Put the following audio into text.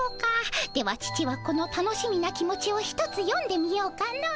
では父はこの楽しみな気持ちをひとつよんでみようかの。